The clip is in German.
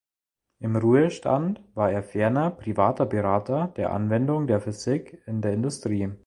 Im Ruhestand war er ferner privater Berater der Anwendung der Physik in der Industrie.